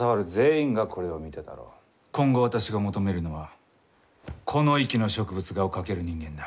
今後私が求めるのはこの域の植物画を描ける人間だ。